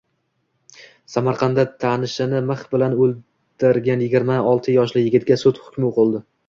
Samarqandda tanishini mix bilan o‘ldirganyigirma oltiyoshli yigitga sud hukmi o‘qildi